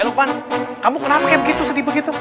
eh luqman kamu kenapa kayak begitu sedih begitu